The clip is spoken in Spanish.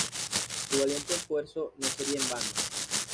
Su valiente esfuerzo no sería en vano.